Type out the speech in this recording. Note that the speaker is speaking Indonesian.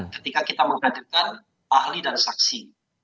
ketika kita menghadirkan ahli dan saksi